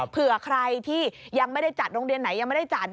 เผื่อใครที่ยังไม่ได้จัดโรงเรียนไหนยังไม่ได้จัด